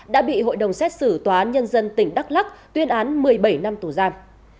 đã bị hội đồng xét xử tòa án nhân dân tỉnh đắk lắc tuyên án một mươi bảy năm tù giam